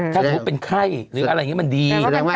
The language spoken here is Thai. ถ้าสมมุติเป็นไข้หรืออะไรอย่างนี้มันดี